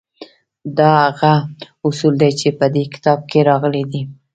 دا هغه اصول دي چې په دې کتاب کې راغلي دي